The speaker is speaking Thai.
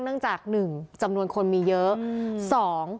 เนื่องจากหนึ่งจำนวนคนมีเยอะ